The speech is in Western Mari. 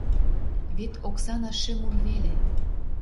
Вет оксана шӹмур веле